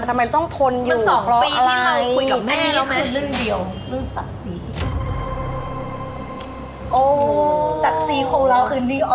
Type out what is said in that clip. ทำไมต้องทนอยู่เพราะอะไร